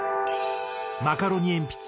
マカロニえんぴつ